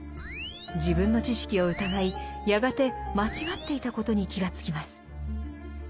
自分の知識を疑いやがて間違っていたことに気がつきます。